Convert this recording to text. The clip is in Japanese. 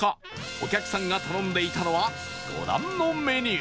お客さんが頼んでいたのはご覧のメニュー